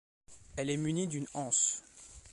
Elle est munie d'une anse.